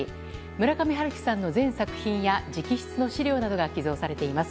村上春樹さんの全作品や直筆の資料などが所蔵されています。